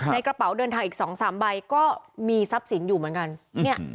ในกระเป๋าเดินทางอีก๒๓ใบก็มีซับสินอยู่เหมือนกันเนี่ย